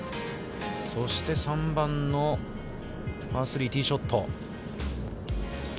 そして３番のパー３、ティーショット。